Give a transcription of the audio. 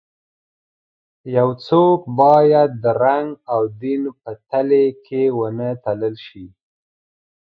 یو څوک باید د رنګ او دین په تلې کې ونه تلل شي.